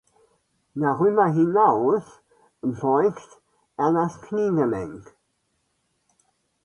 Darüber hinaus beugt er das Kniegelenk.